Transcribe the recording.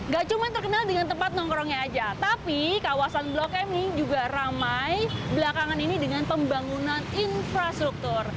gak cuma terkenal dengan tempat nongkrongnya aja tapi kawasan blok m ini juga ramai belakangan ini dengan pembangunan infrastruktur